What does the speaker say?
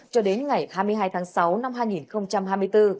cho đến ngày hai mươi hai tháng sáu năm hai nghìn hai mươi bốn